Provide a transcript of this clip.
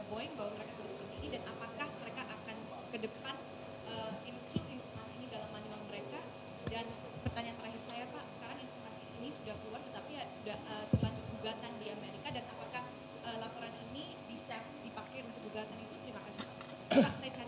pak saya cani dari channel indonesia